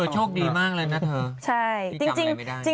โชคดีมากเลยนะเธอ